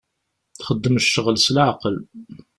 Txeddem ccɣel s leɛqel.